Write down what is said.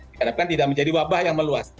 diharapkan tidak menjadi wabah yang meluas